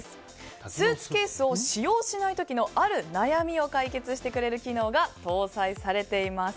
スーツケースを使用しない時のある悩みを解決してくれる機能が搭載されています。